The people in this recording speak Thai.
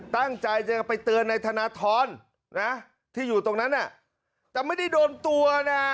ตั้งใจจะไปเตือนในธนทรนะที่อยู่ตรงนั้นน่ะแต่ไม่ได้โดนตัวนะ